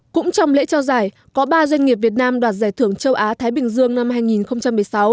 cũng trong lễ trao giải có ba doanh nghiệp việt nam đoạt giải thưởng châu á thái bình dương năm hai nghìn một mươi sáu